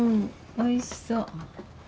おいしそう。